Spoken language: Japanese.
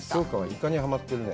イカにはまってるね。